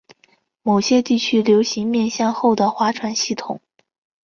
某些地区流行面向后的划船系统。